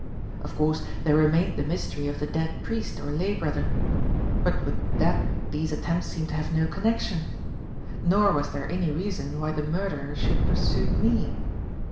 Of course there remained the mystery of the dead priest or lay brother. But with that these attempts seemed to have no connection. Nor was there any reason why the murderer should pursue me.